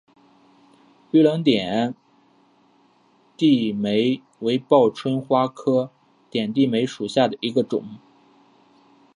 绿棱点地梅为报春花科点地梅属下的一个种。